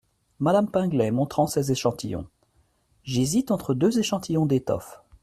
Madame Pinglet , montrant ses échantillons. — J’hésite entre deux échantillons d’étoffes !